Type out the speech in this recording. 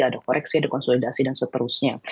ada koreksi ada konsolidasi dan seterusnya